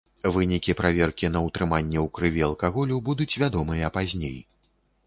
Вынікі праверкі на ўтрыманне ў крыві алкаголю будуць вядомыя пазней.